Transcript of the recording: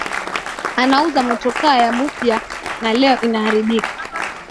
Anauza motoka ya mupya na leo inaaribika